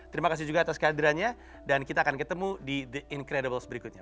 terima kasih juga atas kehadirannya dan kita akan ketemu di the incredibles berikutnya